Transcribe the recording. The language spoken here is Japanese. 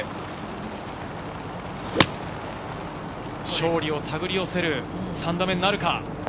勝利をたぐり寄せる３打目になるか？